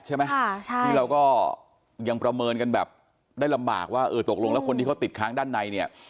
ใช่ไหมนี่เราก็ยังประเมินกันแบบได้ลำบากว่าเออตกลงแล้วคนที่เขาติดค้างด้านในเนี่ย